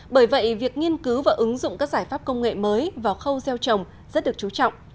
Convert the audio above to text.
bởi vậy việc nghiên cứu và ứng dụng các giải pháp công nghệ mới vào khâu gieo trồng rất được chú trọng